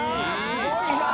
すごいな。